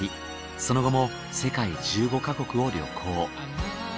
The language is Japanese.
その後も世界１５ヵ国を旅行。